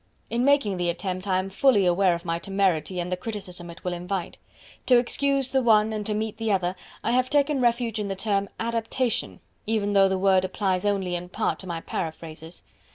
In making the attempt I am fully aware of my temerity, and the criticism it will invite. To excuse the one and to meet the other I have taken refuge in the term "adaptation" even though the word applies only in part to my paraphrases.